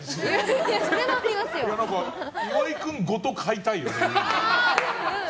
岩井君ごと飼いたいよね。